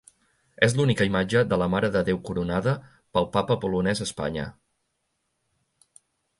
És l'única imatge de la Mare de Déu coronada pel Papa polonès a Espanya.